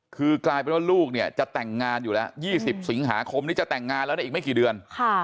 คือกลายเป็นว่าลูกเนี่ยจะแต่งงานอยู่แล้ว๒๐สิงหาคมนี้จะแต่งงานแล้วเนี่ยอีกไม่กี่เดือน